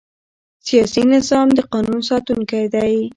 سیاسي نظام د قانون ساتونکی دی